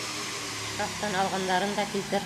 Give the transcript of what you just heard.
Шкафтан алғандарын да килтер...